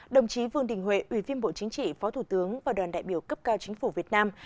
đồng chí vương đình huệ ủy viên bộ chính trị phó thủ tướng và đoàn đại biểu cấp cao chính phủ việt nam